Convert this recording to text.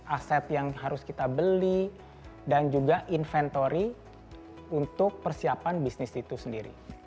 aset yang harus kita beli dan juga inventory untuk persiapan bisnis itu sendiri